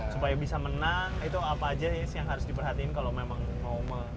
supaya bisa menang itu apa saja sih yang harus diperhatikan kalau memang normal